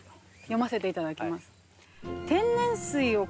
読ませていただきます。